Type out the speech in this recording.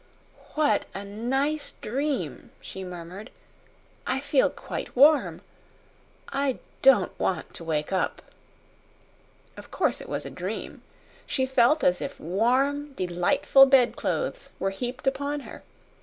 "What a nice dream!" she murmured. "I feel quite warm. I don't want to wake up." Of course it was a dream. She felt as if warm, delightful bedclothes were heaped upon her.